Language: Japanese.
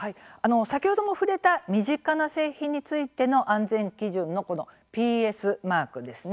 先ほども触れた身近な製品についての安全基準のこのＰＳマークですね